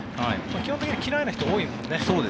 基本的には嫌いな人多いですもんね。